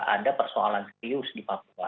ada persoalan serius di papua